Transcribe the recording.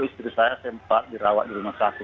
istri saya sempat dirawat di rumah sakit